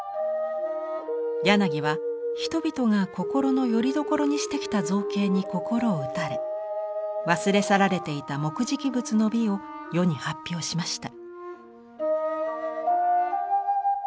柳は人々が心のよりどころにしてきた造形に心を打たれ忘れ去られていた木喰仏の美を世に発表しました。